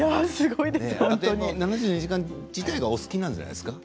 「７２時間」自体がお好きなんじゃないですか？